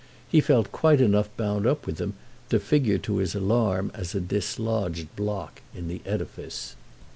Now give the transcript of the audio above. He felt quite enough bound up with them to figure to his alarm as a dislodged block in the edifice.